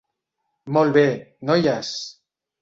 Molt bé, noies!